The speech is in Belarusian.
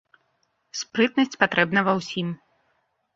Спрытнасць патрэбна ва ўсім.